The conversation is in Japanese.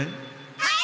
はい！